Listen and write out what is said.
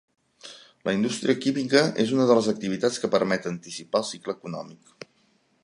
La indústria química és una de les activitats que permet anticipar el cicle econòmic.